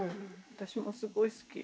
私もすごい好き。